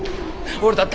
俺だって。